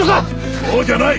そうじゃない！